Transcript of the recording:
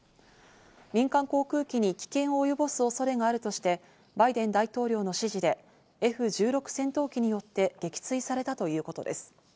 民間航空機に危険を及ぼす恐れがあるとして、バイデン大統領の指示でＦ１６戦闘機によって撃墜されたということです。